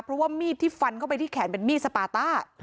เพราะว่ามีดที่ฟันเข้าไปที่แขนเป็นมีดสปาต้า